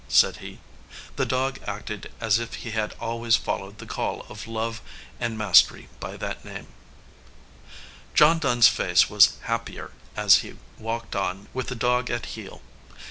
said he. The dog acted as if he had always followed the call of love and mastery by that name. John Dunn s face was happier as he walked on 286 "A RETREAT TO THE GOAL" with the dog at heel.